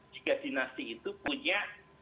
jika dinasti itu punya